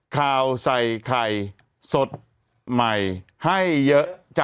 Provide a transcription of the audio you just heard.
ข่าวใส่ไข่สดใหม่ให้เยอะจ้ะ